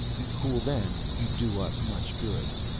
You cool them, you do us much good."